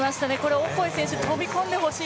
オコエ選手、飛び込んでほしい